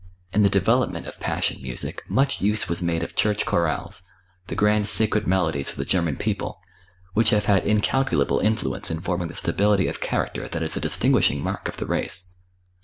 In the development of Passion Music much use was made of church chorales, the grand sacred melodies of the German people, which have had incalculable influence in forming the stability of character that is a distinguishing mark of the race.